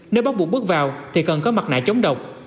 nếu bắt buộc bước vào thì cần có mặt nạ chống độc